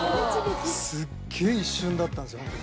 すっげぇ一瞬だったんですよ、本当に。